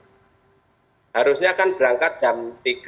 seharusnya akan berangkat jam tiga